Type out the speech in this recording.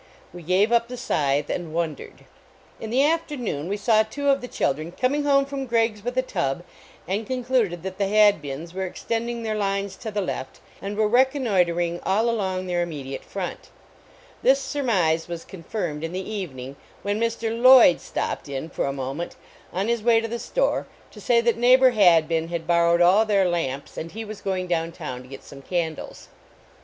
We gave up the scythe and wondered. In the afternoon we saw two of the chil dren coming home from Gregg s with a tub, and concluded that the Haclbins were extend ing their lines to the left, and were reconnoi tering all along their immediate front. This surmise was confirmed in the evening, when Mr. Lloyd stopped in fora moment on his way 147 A NEIGHBORLY NEIGHBORHOOD to the store to say that neighbor Hadbin had borrowed all their lamps and he was going down town to get some candles.